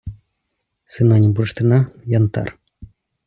Синонім бурштина – янтар